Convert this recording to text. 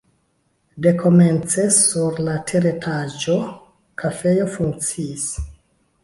Dekomence sur la teretaĝo kafejo funkciis.